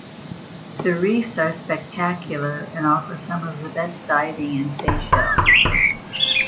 The reefs are spectacular and offer some of the best diving in Seychelles.